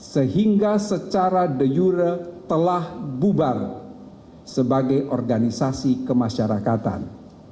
sehingga secara de jure telah bubar sebagai organisasi kemasyarakatan